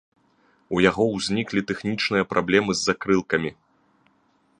У яго ўзніклі тэхнічныя праблемы з закрылкамі.